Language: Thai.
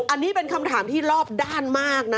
อันนี้เป็นคำถามที่รอบด้านมากนะ